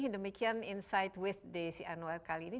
demikian insight with desi anwar kali ini